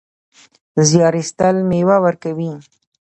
زیار ایستل مېوه ورکوي